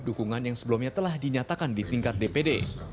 dukungan yang sebelumnya telah dinyatakan di tingkat dpd